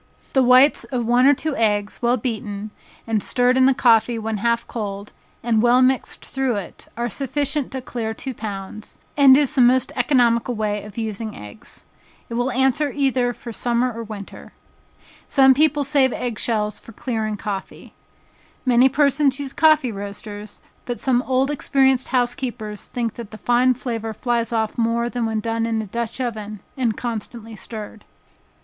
The whites of one or two eggs, well beaten, and stirred in the coffee when half cold, and well mixed through it, are sufficient to clear two pounds, and is the most economical way of using eggs. It will answer either for summer or winter. Some persons save egg shells for clearing coffee. Many persons use coffee roasters, but some old experienced housekeepers think that the fine flavor flies off more than when done in a dutch oven, and constantly stirred.